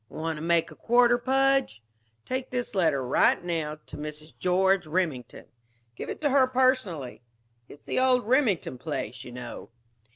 "Want to make a quarter, Pudge? Take this letter, right now, to Mrs. George Remington. Give it to her personally. It's the old Remington place, you know."